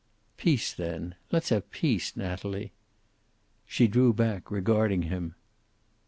"Peace, then. Let's have peace, Natalie." She drew back, regarding him.